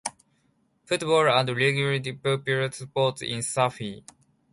Football and rugby are popular sports in Safi.